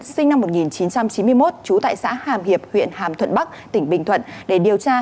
sinh năm một nghìn chín trăm chín mươi một trú tại xã hàm hiệp huyện hàm thuận bắc tỉnh bình thuận để điều tra